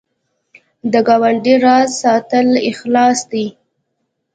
د ګاونډي راز ساتل اخلاص دی